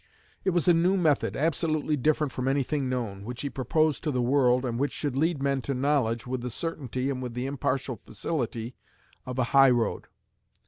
It was a new method, absolutely different from anything known, which he proposed to the world, and which should lead men to knowledge, with the certainty and with the impartial facility of a high road.